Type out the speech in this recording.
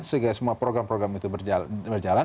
sehingga semua program program itu berjalan